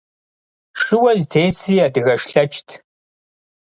Шыуэ зытесри адыгэш лъэчт.